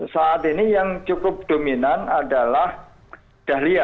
saat ini yang cukup dominan adalah dahlia